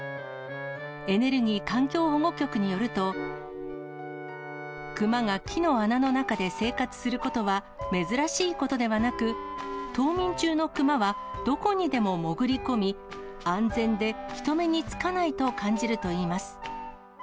エネルギー環境保護局によると、熊が木の穴の中で生活することは、珍しいことではなく、冬眠中の熊はどこにでも潜り込み、安全で人目につかないと感じるといいます。